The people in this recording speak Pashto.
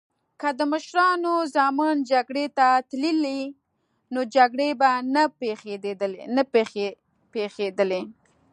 که د مشرانو ځامن جګړی ته تللی نو جګړې به نه پیښیدی